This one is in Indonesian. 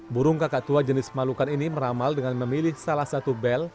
burung kakak tua jenis malukan ini meramal dengan memilih salah satu bel